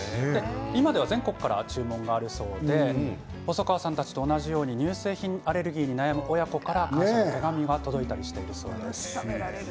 今では全国から注文があるそうで細川さんたちと同じように乳製品アレルギーに悩む親子から感謝の手紙が届いたりしているそうです。